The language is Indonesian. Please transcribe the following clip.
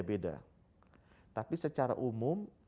beda tapi secara umum